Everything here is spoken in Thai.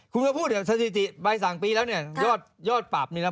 คุณก็พูดสถิติใบสามปีแล้วเนี่ย